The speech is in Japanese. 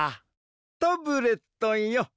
タブレットンよ